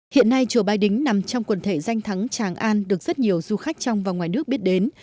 hiện nay chùa bái đính nằm trong quần thể danh thắng tràng an được rất nhiều du khách trong và ngoài nước biết đến